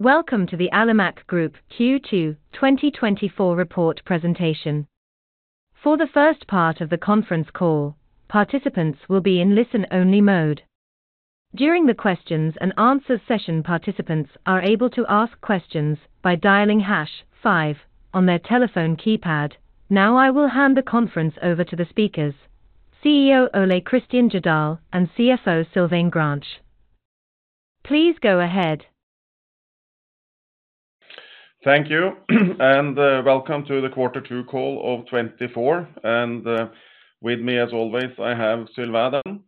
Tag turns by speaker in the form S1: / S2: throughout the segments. S1: Welcome to the Alimak Group Q2 2024 report presentation. For the first part of the conference call, participants will be in listen-only mode. During the questions and answers session, participants are able to ask questions by dialing hash five on their telephone keypad. Now, I will hand the conference over to the speakers, CEO Ole Kristian Jødahl and CFO Sylvain Grange. Please go ahead.
S2: Thank you, and welcome to the Quarter Two call of 2024. And with me, as always, I have Sylvain.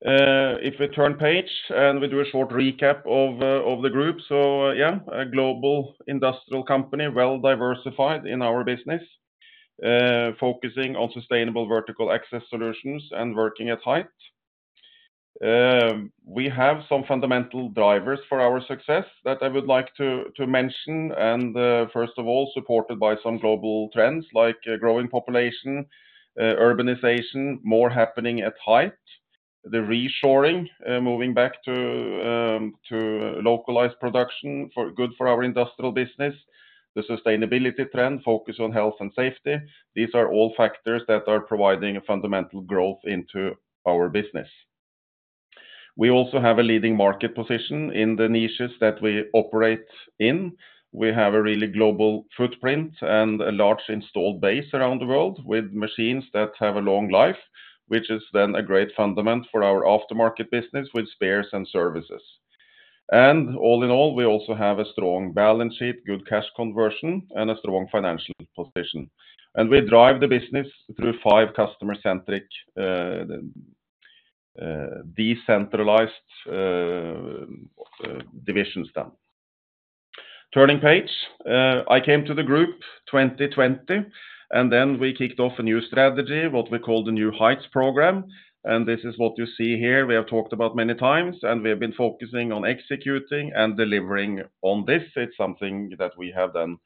S2: If we turn page and we do a short recap of the group. So, yeah, a Global Industrial Company, well diversified in our business, focusing on sustainable vertical access solutions and working at height. We have some fundamental drivers for our success that I would like to mention, and first of all, supported by some global trends like growing population, urbanization, more happening at height, the reshoring, moving back to localized production for good for our Industrial business, the sustainability trend, focus on health and safety. These are all factors that are providing a fundamental growth into our business. We also have a leading market position in the niches that we operate in. We have a really global footprint and a large installed base around the world, with machines that have a long life, which is then a great fundament for our aftermarket business with spares and services. All in all, we also have a strong balance sheet, good cash conversion, and a strong financial position. We drive the business through five customer-centric, decentralized, divisions then. Turning page. I came to the group 2020, and then we kicked off a new strategy, what we call the New Heights program, and this is what you see here. We have talked about many times, and we have been focusing on executing and delivering on this. It's something that we have then,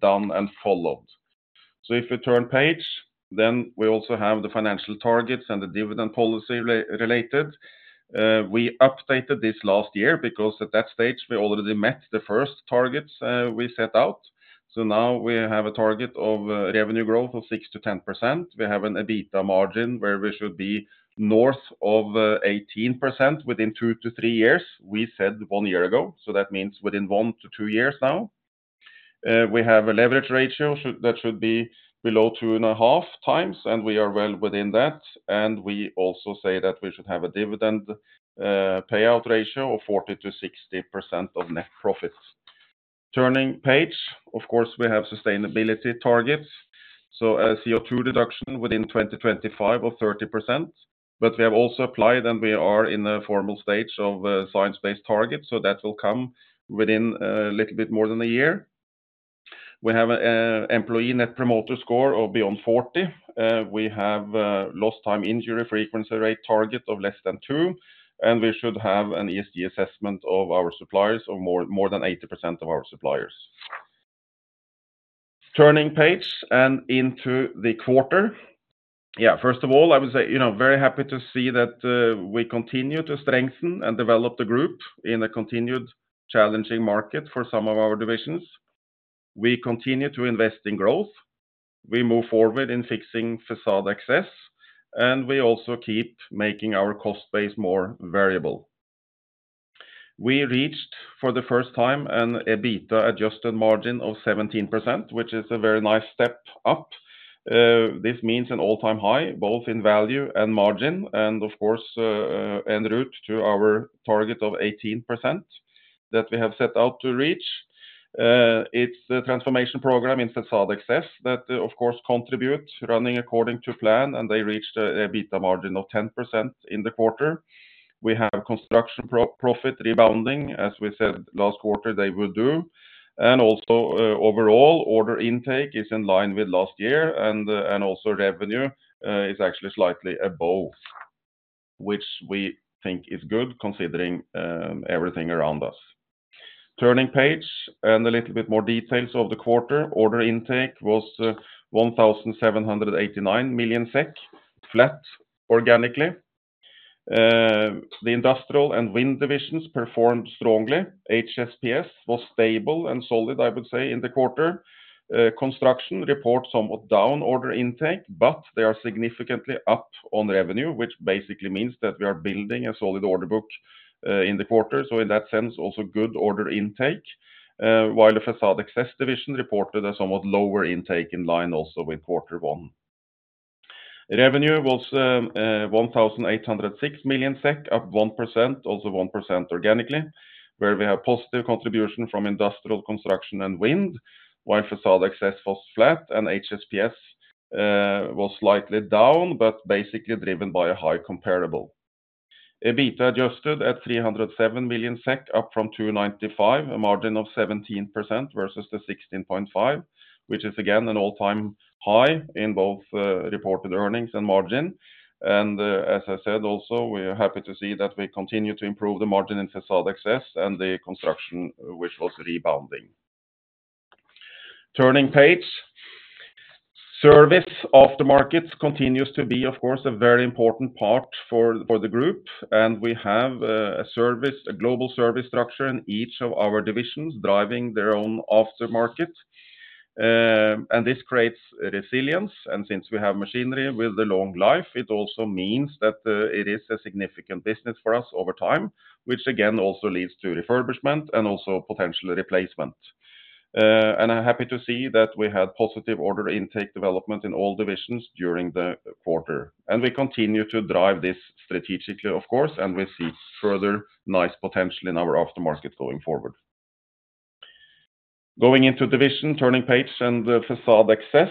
S2: done and followed. If you turn page, then we also have the financial targets and the dividend policy related. We updated this last year because at that stage, we already met the first targets we set out. So now we have a target of revenue growth of 6%-10%. We have an EBITDA margin, where we should be north of 18% within two to three years, we said one year ago, so that means within one to two years now. We have a leverage ratio that should be below 2.5 times, and we are well within that. And we also say that we should have a dividend payout ratio of 40%-60% of net profits. Turning page. Of course, we have sustainability targets, so a CO2 reduction within 2025 of 30%. But we have also applied, and we are in a formal stage of Science Based Targets, so that will come within a little bit more than a year. We have employee Net Promoter Score of beyond 40. We have Lost Time Injury Frequency Rate target of less than two, and we should have an ESG assessment of our suppliers of more than 80% of our suppliers. Turning page and into the quarter. Yeah, first of all, I would say, you know, very happy to see that we continue to strengthen and develop the group in a continued challenging market for some of our divisions. We continue to invest in growth, we move forward in fixing Facade Access, and we also keep making our cost base more variable. We reached, for the first time, an EBITDA adjusted margin of 17%, which is a very nice step up. This means an all-time high, both in value and margin and, of course, en route to our target of 18% that we have set out to reach. It's the transformation program in Facade Access that, of course, contributes, running according to plan, and they reached an EBITDA margin of 10% in the quarter. We have Construction profit rebounding, as we said last quarter they would do. And also, overall, order intake is in line with last year, and also revenue is actually slightly above, which we think is good, considering everything around us. Turning the page, and a little bit more details of the quarter. Order intake was 1,789 million SEK, flat organically. The Industrial and Wind divisions performed strongly. HSPS was stable and solid, I would say, in the quarter. Construction reported somewhat down order intake, but they are significantly up on revenue, which basically means that we are building a solid order book in the quarter. So in that sense, also good order intake, while the Facade Access division reported a somewhat lower intake in line also with quarter one. Revenue was 1,806 million SEK, up 1%, also 1% organically, where we have positive contribution from industrial construction and wind, while Facade Access was flat and HSPS was slightly down, but basically driven by a high comparable. EBITDA adjusted at 307 million SEK, up from 295, a margin of 17% versus the 16.5%, which is again an all-time high in both reported earnings and margin. As I said, also, we are happy to see that we continue to improve the margin in Facade Access and the Construction, which was rebounding. Turning page. Service aftermarkets continues to be, of course, a very important part for the group, and we have a global service structure in each of our divisions driving their own aftermarket. This creates resilience, and since we have machinery with a long life, it also means that it is a significant business for us over time, which again, also leads to refurbishment and also potential replacement. And I'm happy to see that we had positive order intake development in all divisions during the quarter, and we continue to drive this strategically, of course, and we see further nice potential in our aftermarket going forward. Going into division, turning page, and the Facade Access,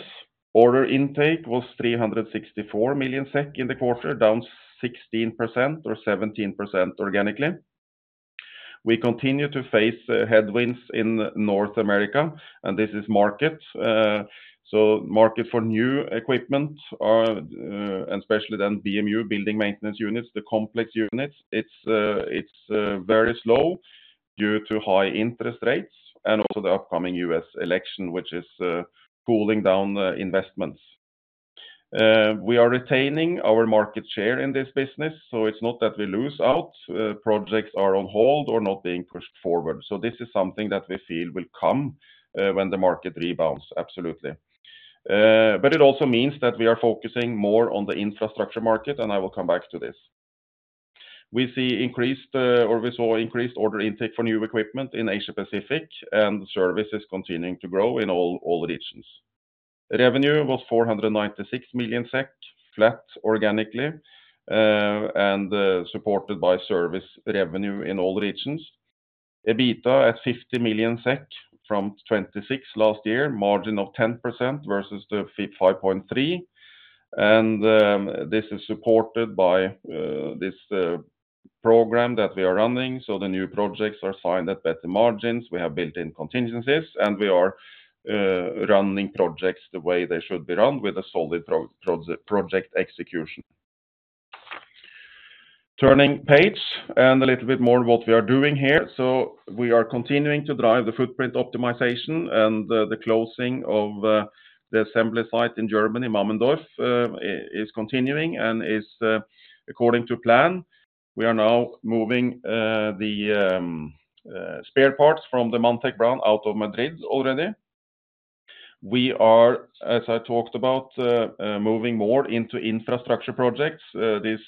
S2: order intake was 364 million SEK in the quarter, down 16% or 17% organically. We continue to face headwinds in North America, and this is market. So market for new equipment, and especially then BMU, building maintenance units, the complex units, it's very slow due to high interest rates and also the upcoming U.S. election, which is cooling down the investments. We are retaining our market share in this business, so it's not that we lose out. Projects are on hold or not being pushed forward. So this is something that we feel will come when the market rebounds. Absolutely. But it also means that we are focusing more on the infrastructure market, and I will come back to this. We see increased, or we saw increased order intake for new equipment in Asia-Pacific, and service is continuing to grow in all regions. Revenue was 496 million SEK, flat organically, and supported by service revenue in all regions. EBITDA at 50 million SEK from 26 last year, margin of 10% versus the 5.3, and this is supported by this program that we are running. So the new projects are signed at better margins. We have built-in contingencies, and we are running projects the way they should be run, with a solid project execution. Turning page, and a little bit more what we are doing here. So we are continuing to drive the footprint optimization and the closing of the assembly site in Germany, Mammendorf, is continuing and is according to plan. We are now moving the spare parts from the Manntech out of Madrid already. We are, as I talked about, moving more into infrastructure projects. This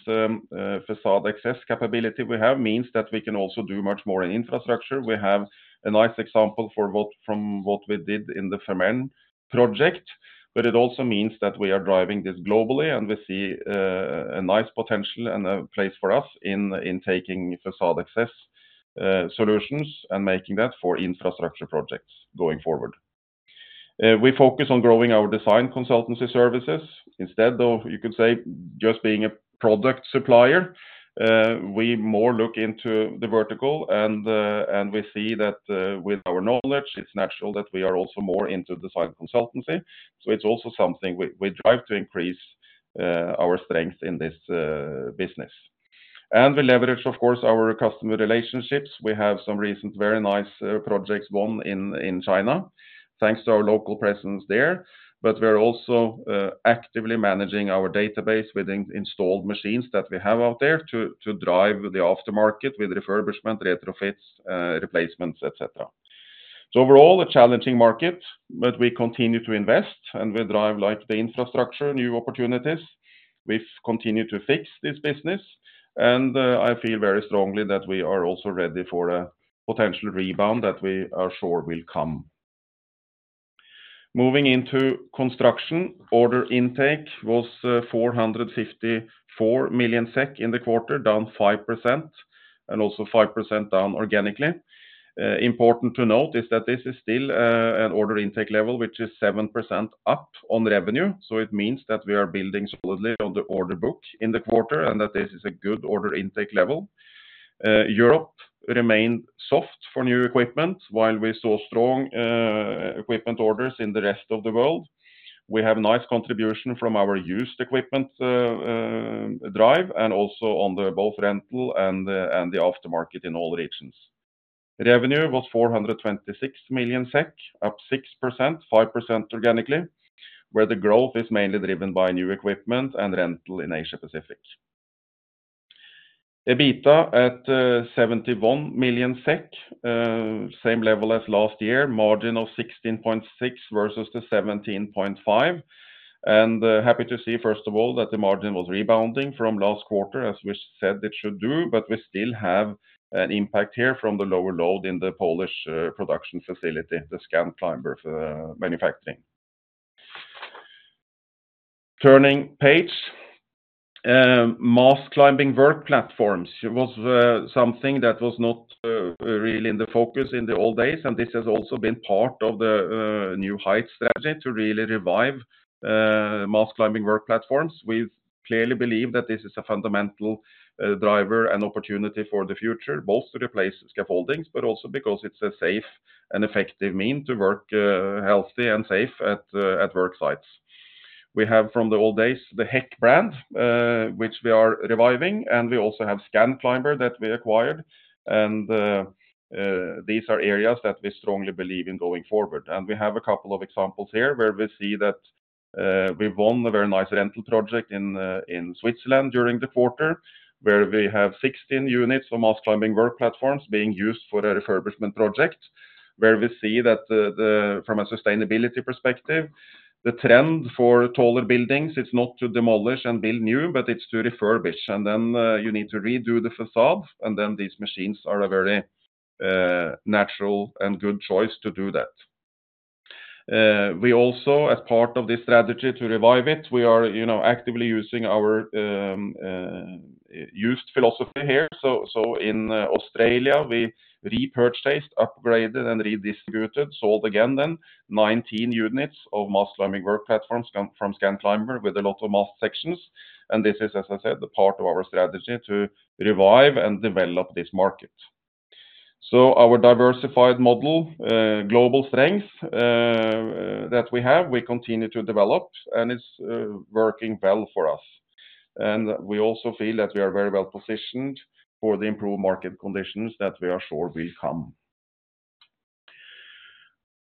S2: Facade Access capability we have means that we can also do much more in infrastructure. We have a nice example from what we did in the Fehmarnbelt project, but it also means that we are driving this globally, and we see a nice potential and a place for us in taking Facade Access solutions and making that for infrastructure projects going forward. We focus on growing our design consultancy services. Instead of, you could say, just being a product supplier, we more look into the vertical, and we see that, with our knowledge, it's natural that we are also more into design consultancy. So it's also something we drive to increase our strength in this business. And we leverage, of course, our customer relationships. We have some recent very nice projects won in China, thanks to our local presence there. But we're also actively managing our database with installed machines that we have out there to drive the aftermarket with refurbishment, retrofits, replacements, et cetera. So overall, a challenging market, but we continue to invest, and we drive like the infrastructure, new opportunities. We've continued to fix this business, and I feel very strongly that we are also ready for a potential rebound that we are sure will come. Moving into Construction, order intake was 454 million SEK in the quarter, down 5%, and also 5% down organically. Important to note is that this is still an order intake level, which is 7% up on revenue, so it means that we are building solidly on the order book in the quarter and that this is a good order intake level. Europe remained soft for new equipment, while we saw strong equipment orders in the rest of the world. We have a nice contribution from our used equipment drive, and also on both rental and the aftermarket in all regions. Revenue was 426 million SEK, up 6%, 5% organically, where the growth is mainly driven by new equipment and rental in Asia-Pacific. EBITDA at 71 million SEK, same level as last year, margin of 16.6% versus the 17.5%. Happy to see, first of all, that the margin was rebounding from last quarter, as we said it should do, but we still have an impact here from the lower load in the Polish production facility, the Scanclimber manufacturing. Turning page. Mast climbing work platforms was something that was not really in the focus in the old days, and this has also been part of the New Heights strategy to really revive mast climbing work platforms. We clearly believe that this is a fundamental driver and opportunity for the future, both to replace scaffoldings, but also because it's a safe and effective mean to work healthy and safe at work sites. We have from the old days, the Hek brand, which we are reviving, and we also have Scanclimber that we acquired. And these are areas that we strongly believe in going forward. And we have a couple of examples here where we see that we've won a very nice rental project in Switzerland during the quarter, where we have 16 units of mast climbing work platforms being used for a refurbishment project, where we see that, from a sustainability perspective, the trend for taller buildings, it's not to demolish and build new, but it's to refurbish. And then, you need to redo the facade, and then these machines are a very natural and good choice to do that. We also, as part of this strategy to revive it, we are, you know, actively using our used philosophy here. So in Australia, we repurchased, upgraded, and redistributed, sold again then 19 units of mast climbing work platforms from Scanclimber with a lot of mast sections. And this is, as I said, the part of our strategy to revive and develop this market. So our diversified model, global strength that we have, we continue to develop, and it's working well for us. And we also feel that we are very well positioned for the improved market conditions that we are sure will come.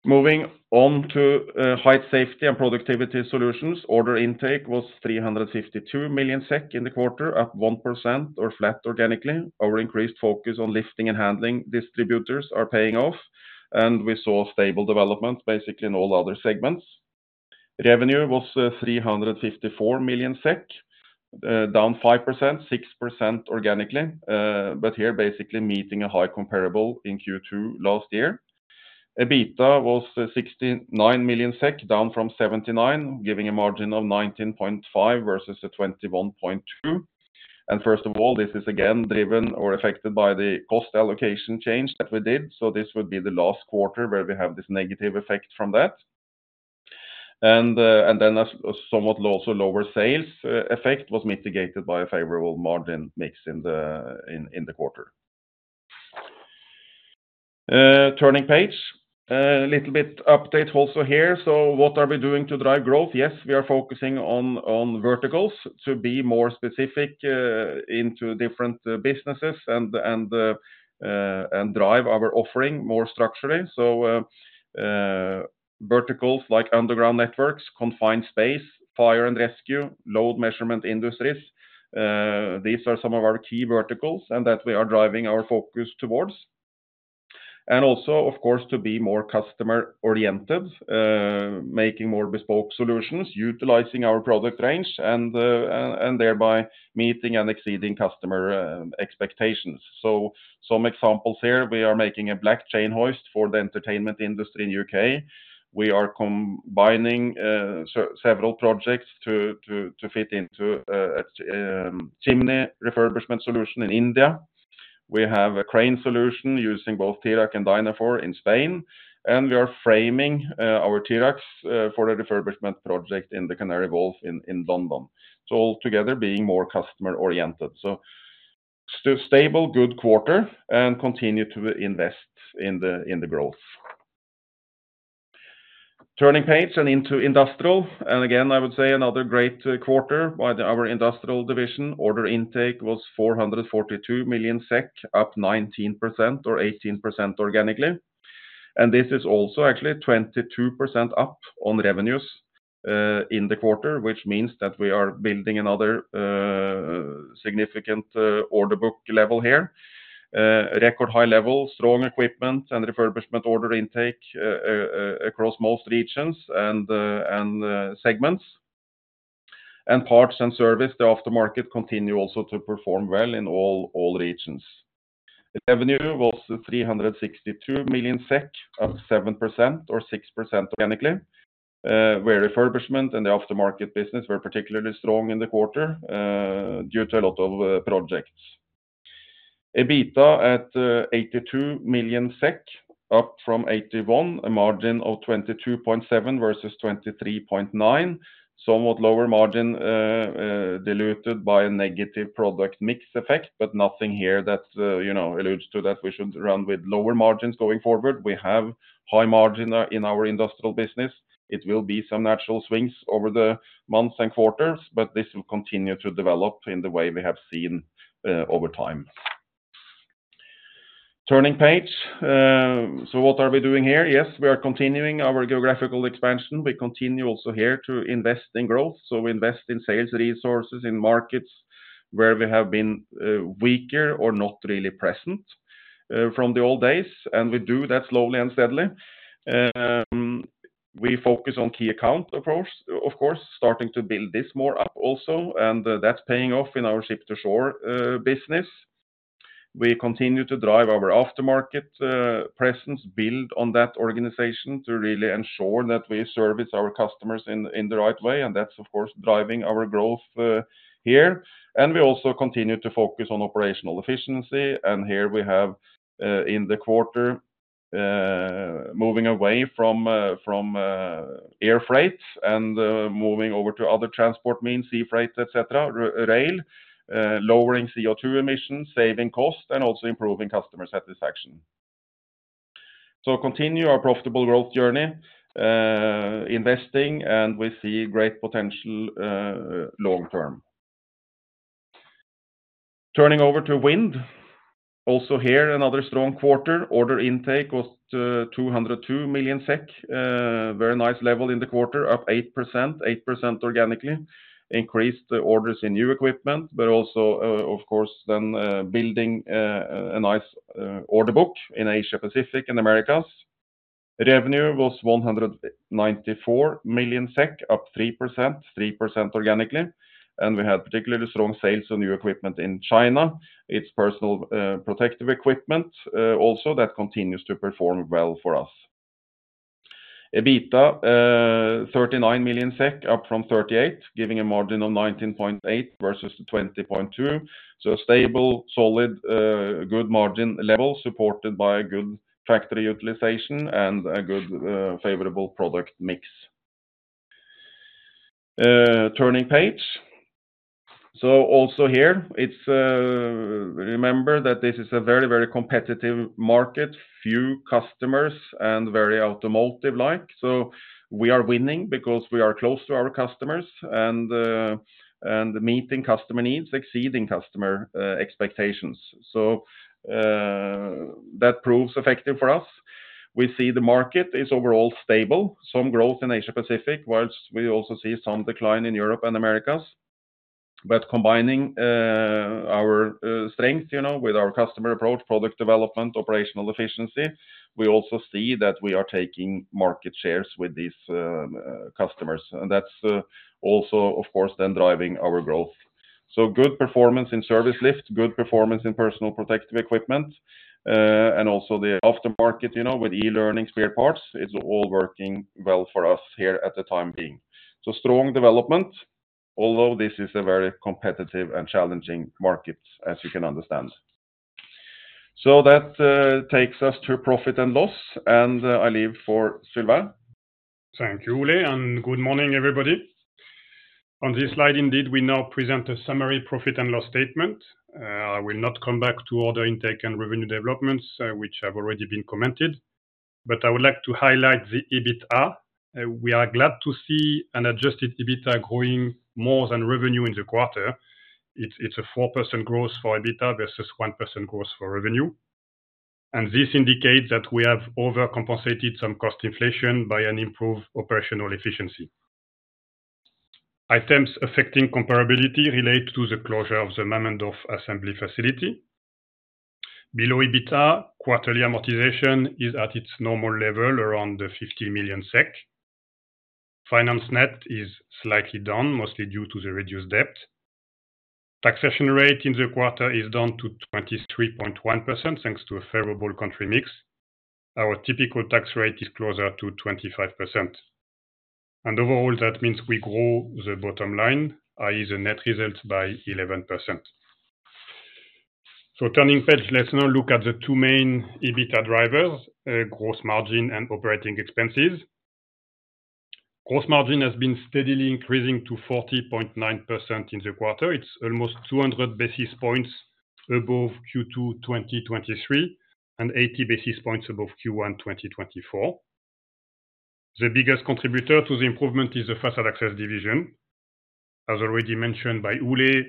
S2: Moving on to Height Safety and Productivity Solutions. Order intake was 352 million SEK in the quarter, up 1% or flat organically. Our increased focus on lifting and handling distributors are paying off, and we saw stable development basically in all other segments. Revenue was 354 million SEK, down 5%, 6% organically, but here, basically meeting a high comparable in Q2 last year. EBITDA was 69 million SEK, down from 79, giving a margin of 19.5 versus a 21.2. And first of all, this is again, driven or affected by the cost allocation change that we did. So this would be the last quarter where we have this negative effect from that. And, and then a somewhat also lower sales, effect was mitigated by a favorable margin mix in the quarter. Turning page. A little bit update also here. So what are we doing to drive growth? Yes, we are focusing on verticals to be more specific, into different businesses and drive our offering more structurally. So, verticals like underground networks, confined space, fire and rescue, load measurement industries, these are some of our key verticals, and that we are driving our focus towards. And also, of course, to be more customer-oriented, making more bespoke solutions, utilizing our product range, and thereby meeting and exceeding customer expectations. So some examples here, we are making a black chain hoist for the entertainment industry in UK. We are combining several projects to fit into a chimney refurbishment solution in India. We have a crane solution using both Tirak and Dynafor in Spain, and we are framing our Tiraks for a refurbishment project in the Canary Wharf in London. So altogether, being more customer-oriented. So still stable, good quarter, and continue to invest in the growth. Turning the page and into Industrial, and again, I would say another great quarter by our Industrial division. Order intake was 442 million SEK, up 19% or 18% organically. And this is also actually 22% up on revenues in the quarter, which means that we are building another significant order book level here. Record high levels, strong equipment and refurbishment order intake across most regions and segments. And parts and service, the aftermarket, continue also to perform well in all regions. Revenue was 362 million SEK, up 7% or 6% organically. Where refurbishment and the aftermarket business were particularly strong in the quarter, due to a lot of projects. EBITDA at 82 million SEK, up from 81 million, a margin of 22.7% versus 23.9%. Somewhat lower margin, diluted by a negative product mix effect, but nothing here that, you know, alludes to that we should run with lower margins going forward. We have high margin in our industrial business. It will be some natural swings over the months and quarters, but this will continue to develop in the way we have seen, over time. Turning page. So what are we doing here? Yes, we are continuing our geographical expansion. We continue also here to invest in growth. So we invest in sales resources, in markets where we have been weaker or not really present from the old days, and we do that slowly and steadily. We focus on key account approach, of course, starting to build this more up also, and that's paying off in our ship-to-shore business. We continue to drive our aftermarket presence, build on that organization to really ensure that we service our customers in the right way, and that's of course driving our growth here. And we also continue to focus on operational efficiency, and here we have in the quarter moving away from air freight and moving over to other transport means, sea freight, et cetera, rail, lowering CO2 emissions, saving costs, and also improving customer satisfaction. So continue our profitable growth journey, investing, and we see great potential, long term. Turning over to Wind. Also here, another strong quarter. Order intake was 202 million SEK. Very nice level in the quarter, up 8%, 8% organically. Increased the orders in new equipment, but also, of course, then, building a nice order book in Asia-Pacific and Americas. Revenue was 194 million SEK, up 3%, 3% organically, and we had particularly strong sales of new equipment in China. Its personal protective equipment also that continues to perform well for us. EBITDA, thirty-nine million SEK, up from 38, giving a margin of 19.8% versus 20.2%. So a stable, solid, good margin level, supported by a good factory utilization and a good, favorable product mix. Turning page. So also here, it's, remember that this is a very, very competitive market, few customers, and very automotive-like. So we are winning because we are close to our customers, and, and meeting customer needs, exceeding customer, expectations. So, that proves effective for us. We see the market is overall stable. Some growth in Asia-Pacific, while we also see some decline in Europe and Americas. But combining, our, strength, you know, with our customer approach, product development, operational efficiency, we also see that we are taking market shares with these, customers. And that's, also, of course, then driving our growth. So good performance in service lift, good performance in personal protective equipment, and also the aftermarket, you know, with e-learning spare parts, it's all working well for us here at the time being. So strong development, although this is a very competitive and challenging market, as you can understand. So that takes us to profit and loss, and I leave for Sylvain.
S3: Thank you, Ole, and good morning, everybody. On this slide, indeed, we now present a summary profit and loss statement. I will not come back to order intake and revenue developments, which have already been commented, but I would like to highlight the EBITDA. We are glad to see an adjusted EBITDA growing more than revenue in the quarter. It's, it's a 4% growth for EBITDA versus 1% growth for revenue. This indicates that we have overcompensated some cost inflation by an improved operational efficiency. Items affecting comparability relate to the closure of the Mammendorf assembly facility. Below EBITDA, quarterly amortization is at its normal level, around 50 million SEK. Finance net is slightly down, mostly due to the reduced debt. Taxation rate in the quarter is down to 23.1%, thanks to a favorable country mix. Our typical tax rate is closer to 25%. Overall, that means we grow the bottom line, i.e., the net results, by 11%. Turning page, let's now look at the two main EBITDA drivers: growth margin and operating expenses. Gross margin has been steadily increasing to 40.9% in the quarter. It's almost 200 basis points above Q2 2023 and 80 basis points above Q1 2024. The biggest contributor to the improvement is the Facade Access division. As already mentioned by Ole,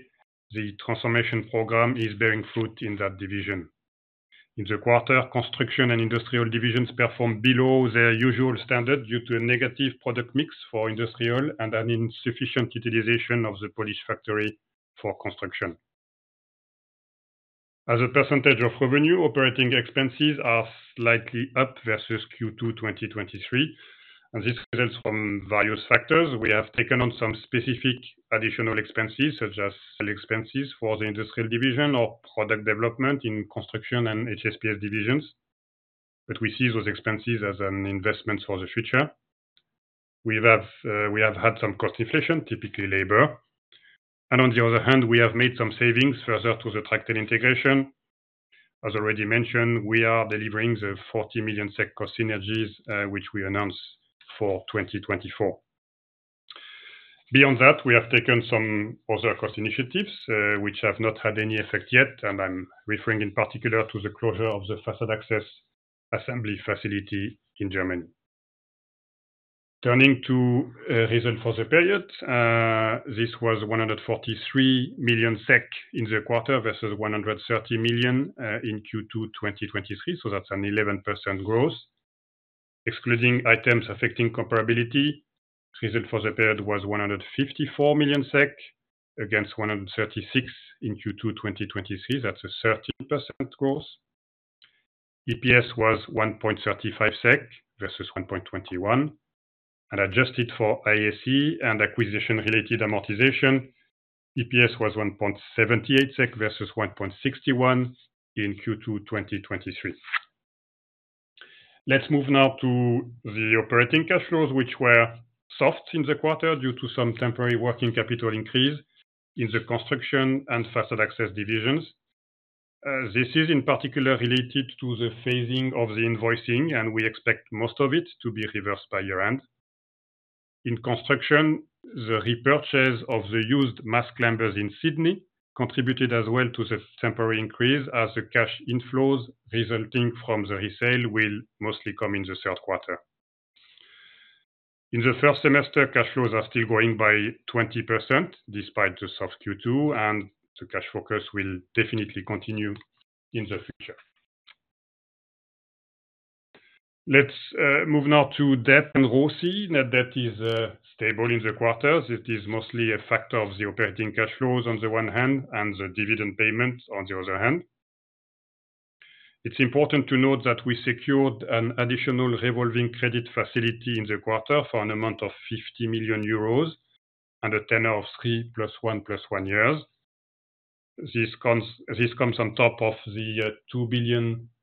S3: the transformation program is bearing fruit in that division. In the quarter, Construction and Industrial divisions performed below their usual standard due to a negative product mix for Industrial and an insufficient utilization of the Polish factory for Construction. As a percentage of revenue, operating expenses are slightly up versus Q2 2023, and this results from various factors. We have taken on some specific additional expenses, such as expenses for the Industrial division or product development in Construction and HSPS divisions, but we see those expenses as an investment for the future. We have, we have had some cost inflation, typically labor. On the other hand, we have made some savings further to the Tractel integration. As already mentioned, we are delivering the 40 million SEK cost synergies, which we announced for 2024. Beyond that, we have taken some other cost initiatives, which have not had any effect yet, and I'm referring in particular to the closure of the Facade Access assembly facility in Germany. Turning to EBITDA for the period, this was 143 million SEK in the quarter versus 130 million SEK in Q2 2023, so that's an 11% growth. Excluding items affecting comparability, EBITDA for the period was 154 million SEK, against 136 million in Q2 2023. That's a 13% growth. EPS was 1.35 SEK versus 1.21. And adjusted for IAC and acquisition-related amortization, EPS was 1.78 SEK versus 1.61 in Q2 2023. Let's move now to the operating cash flows, which were soft in the quarter due to some temporary working capital increase in the Construction and Facade Access divisions. This is, in particular, related to the phasing of the invoicing, and we expect most of it to be reversed by year-end. In Construction, the repurchase of the used mast climbers in Sydney contributed as well to the temporary increase, as the cash inflows resulting from the resale will mostly come in the third quarter. In the first semester, cash flows are still growing by 20%, despite the soft Q2, and the cash focus will definitely continue in the future. Let's move now to debt and ROCE. Net debt is stable in the quarters. It is mostly a factor of the operating cash flows on the one hand, and the dividend payment on the other hand. It's important to note that we secured an additional revolving credit facility in the quarter for an amount of 50 million euros and a tenor of 3 + 1 + 1 years. This comes on top of the 2 billion SEK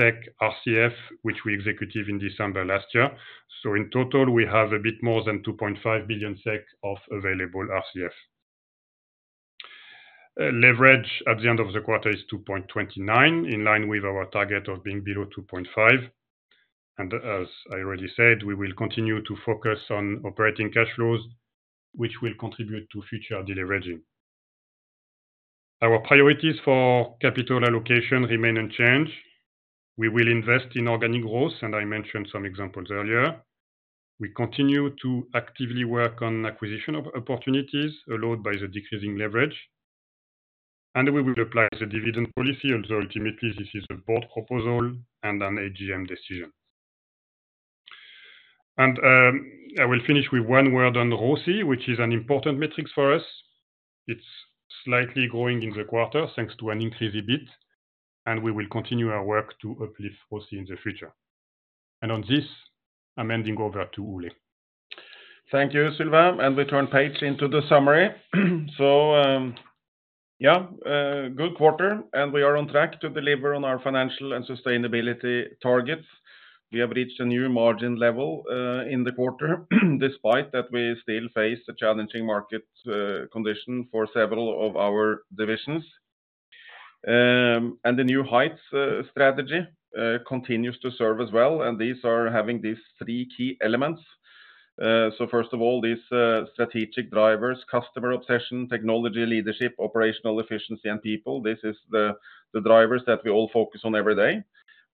S3: RCF, which we executed in December last year. So in total, we have a bit more than 2.5 billion SEK of available RCF. Leverage at the end of the quarter is 2.29, in line with our target of being below 2.5. As I already said, we will continue to focus on operating cash flows, which will contribute to future deleveraging. Our priorities for capital allocation remain unchanged. We will invest in organic growth, and I mentioned some examples earlier. We continue to actively work on acquisition of opportunities allowed by the decreasing leverage, and we will apply the dividend policy, although ultimately this is a board proposal and an AGM decision. I will finish with one word on the ROCE, which is an important metric for us. It's slightly growing in the quarter, thanks to an increase in EBIT, and we will continue our work to uplift ROCE in the future. On this, I'm handing over to Ole. Thank you, Sylvain. We turn the page into the summary. So, yeah, good quarter, and we are on track to deliver on our financial and sustainability targets. We have reached a new margin level in the quarter, despite that we still face a challenging market condition for several of our divisions. And the New Heights strategy continues to serve as well, and these are having these three key elements. So first of all, these strategic drivers: customer obsession, technology leadership, operational efficiency, and people. This is the drivers that we all focus on every day.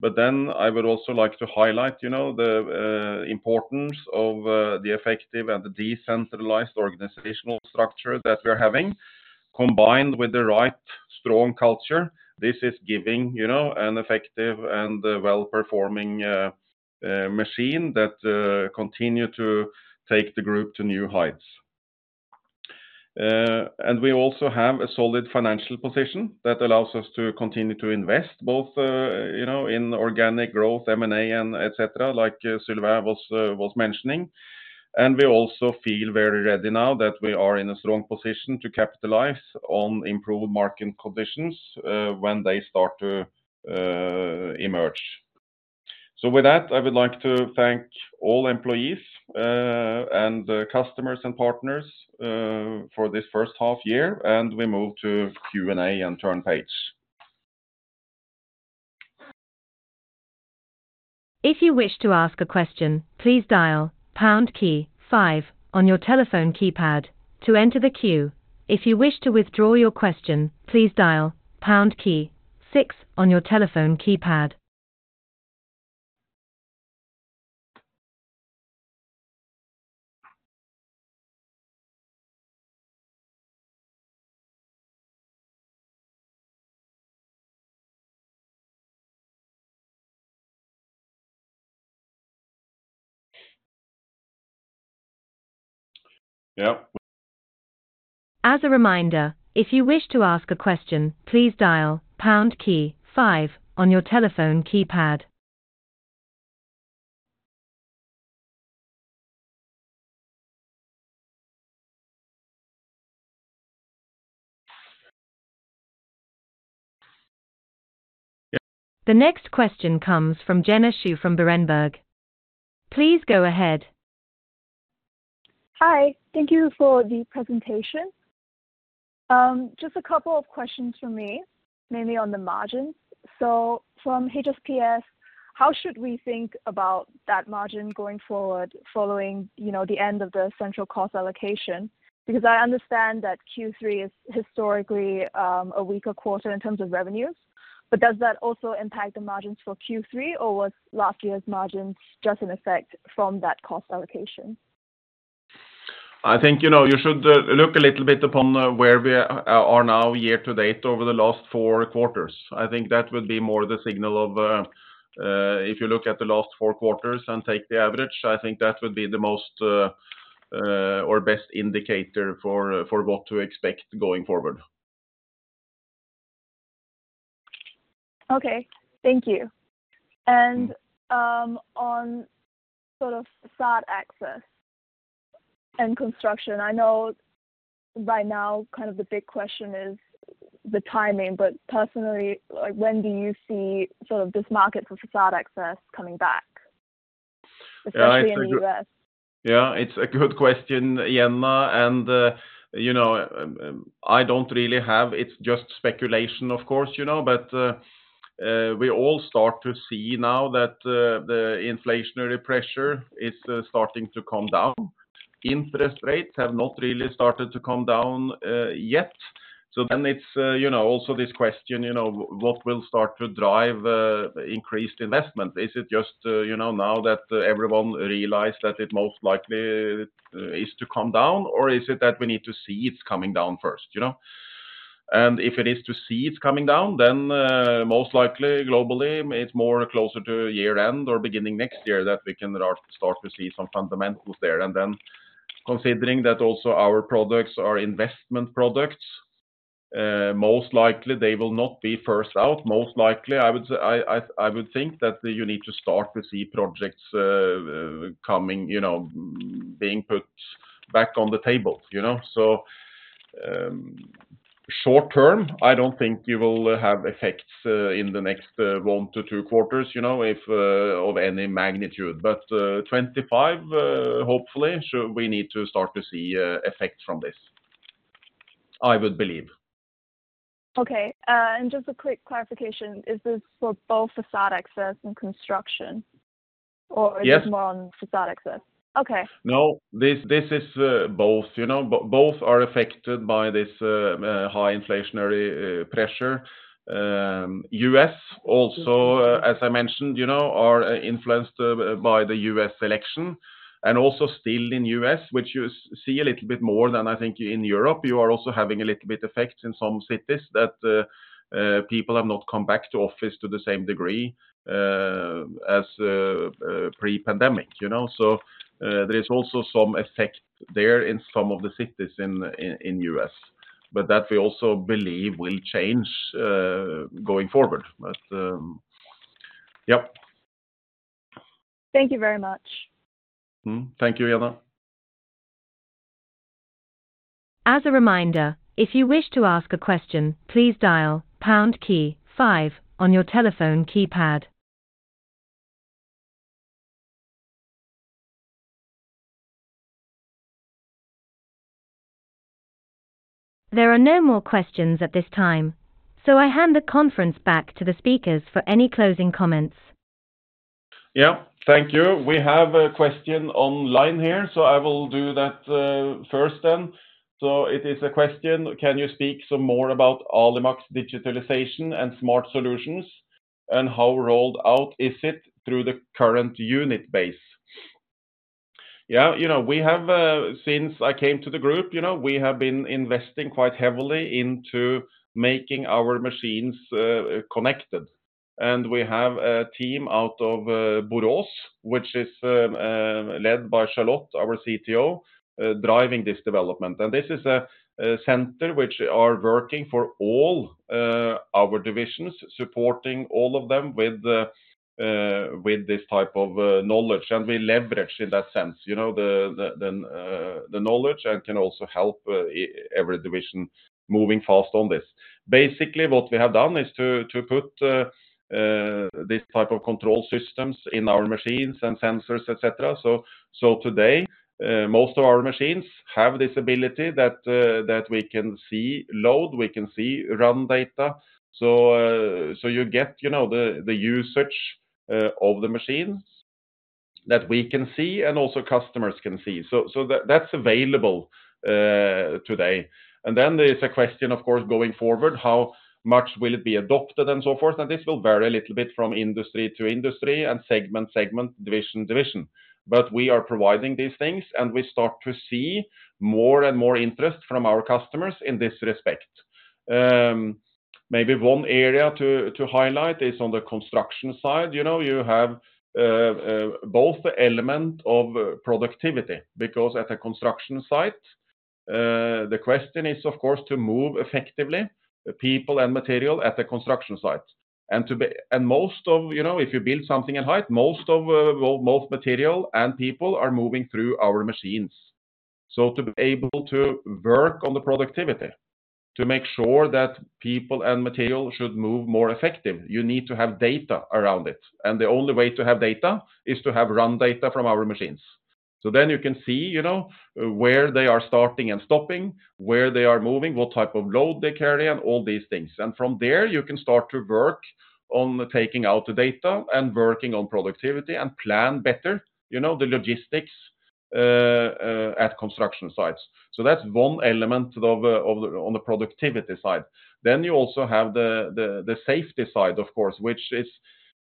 S3: But then I would also like to highlight, you know, the importance of the effective and the decentralized organizational structure that we are having, combined with the right strong culture. This is giving, you know, an effective and a well-performing machine that continue to take the group to New Heights. And we also have a solid financial position that allows us to continue to invest, both, you know, in organic growth, M&A, and et cetera, like Sylvain was mentioning. And we also feel very ready now that we are in a strong position to capitalize on improved market conditions, when they start to emerge. So with that, I would like to thank all employees, and the customers and partners, for this first half year, and we move to Q&A and turn page.
S1: If you wish to ask a question, please dial pound key five on your telephone keypad to enter the queue. If you wish to withdraw your question, please dial pound key six on your telephone keypad.
S2: Yeah.
S1: As a reminder, if you wish to ask a question, please dial pound key five on your telephone keypad. The next question comes from Jenna Xu from Berenberg. Please go ahead.
S4: Hi, thank you for the presentation. Just a couple of questions from me, mainly on the margins. So from HSPS, how should we think about that margin going forward, following, you know, the end of the central cost allocation? Because I understand that Q3 is historically, a weaker quarter in terms of revenues, but does that also impact the margins for Q3, or was last year's margins just an effect from that cost allocation?
S2: I think, you know, you should look a little bit upon where we are now year to date over the last four quarters. I think that would be more the signal of if you look at the last four quarters and take the average. I think that would be the most or best indicator for what to expect going forward.
S4: Okay. Thank you. And, on sort of Facade Access and construction, I know by now, kind of the big question is the timing, but personally, like, when do you see sort of this market for Facade Access coming back, especially in the U.S.?
S2: Yeah, it's a good question, Jenna, and, you know, It's just speculation, of course, you know, but, we all start to see now that the inflationary pressure is starting to come down. Interest rates have not really started to come down, yet. So then it's, you know, also this question, you know, what will start to drive, increased investment? Is it just, you know, now that everyone realized that it most likely, is to come down, or is it that we need to see it's coming down first, you know? And if it is to see it's coming down, then, most likely, globally, it's more closer to year-end or beginning next year that we can start to see some fundamentals there. And then considering that also our products are investment products, most likely they will not be first out. Most likely, I would say, I would think that you need to start to see projects coming, you know, being put back on the table, you know? So, short term, I don't think you will have effects in the next 1-2 quarters, you know, if of any magnitude, but 2025, hopefully, so we need to start to see effects from this, I would believe.
S4: Okay. Just a quick clarification, is this for both Facade Access and construction, or?
S2: Yes.
S4: Is it more on Facade Access? Okay.
S2: No, this is both, you know. Both are affected by this high inflationary pressure. U.S. also, as I mentioned, you know, are influenced by the U.S. election, and also still in U.S., which you see a little bit more than I think in Europe, you are also having a little bit effect in some cities that people have not come back to office to the same degree as pre-pandemic, you know. So, there is also some effect there in some of the cities in U.S., but that we also believe will change going forward. But, yep.
S4: Thank you very much.
S2: Mm-hmm. Thank you, Jenna.
S1: As a reminder, if you wish to ask a question, please dial pound key five on your telephone keypad. There are no more questions at this time, so I hand the conference back to the speakers for any closing comments.
S2: Yeah, thank you. We have a question online here, so I will do that first then. So it is a question: Can you speak some more about Alimak's Digitalization and Smart Solutions, and how rolled out is it through the current unit base? Yeah, you know, we have since I came to the group, you know, we have been investing quite heavily into making our machines connected. And we have a team out of Borås, which is led by Charlotte, our CTO, driving this development. And this is a center which are working for all our divisions, supporting all of them with this type of knowledge. And we leverage in that sense, you know, the knowledge and can also help every division moving fast on this. Basically, what we have done is to put this type of control systems in our machines and sensors, et cetera. So today, most of our machines have this ability that we can see load, we can see run data. So you get, you know, the usage of the machines that we can see and also customers can see. So that's available today. And then there's a question, of course, going forward, how much will it be adopted and so forth? And this will vary a little bit from industry to industry and segment to segment, division to division. But we are providing these things, and we start to see more and more interest from our customers in this respect. Maybe one area to highlight is on the construction side. You know, you have both the element of productivity, because at a construction site, the question is, of course, to move effectively people and material at the construction site. And most of. You know, if you build something at height, most of most material and people are moving through our machines. So to be able to work on the productivity, to make sure that people and material should move more effective, you need to have data around it, and the only way to have data is to have run data from our machines. So then you can see, you know, where they are starting and stopping, where they are moving, what type of load they carry, and all these things. From there, you can start to work on taking out the data and working on productivity and plan better, you know, the logistics at construction sites. So that's one element of on the productivity side. Then you also have the safety side, of course, which is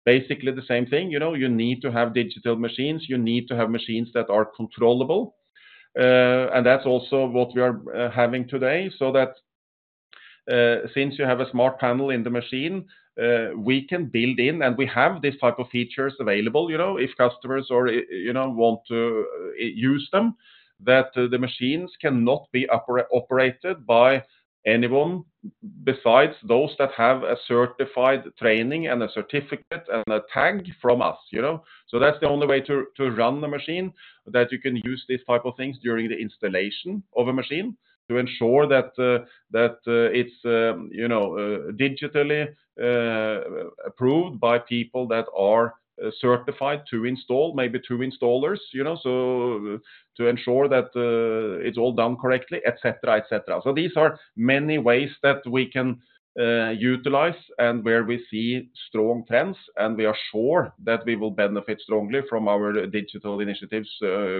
S2: basically the same thing. You know, you need to have digital machines, you need to have machines that are controllable, and that's also what we are having today. So that, since you have a smart panel in the machine, we can build in, and we have these type of features available, you know, if customers or, you know, want to use them, that the machines cannot be operated by anyone besides those that have a certified training and a certificate and a tag from us, you know? So that's the only way to run the machine, that you can use these type of things during the installation of a machine to ensure that it's you know digitally approved by people that are certified to install, maybe two installers, you know, so to ensure that it's all done correctly, et cetera, et cetera. So these are many ways that we can utilize and where we see strong trends, and we are sure that we will benefit strongly from our digital initiatives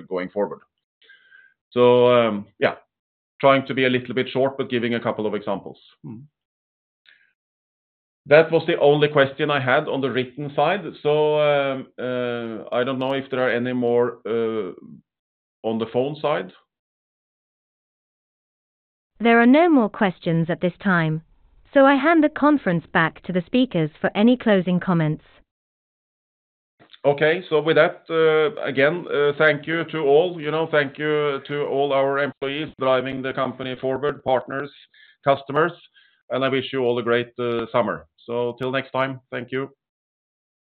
S2: going forward. So yeah, trying to be a little bit short, but giving a couple of examples. Mm-hmm. That was the only question I had on the written side. So I don't know if there are any more on the phone side.
S1: There are no more questions at this time, so I hand the conference back to the speakers for any closing comments.
S2: Okay. So with that, again, thank you to all. You know, thank you to all our employees driving the company forward, partners, customers, and I wish you all a great summer. So till next time, thank you.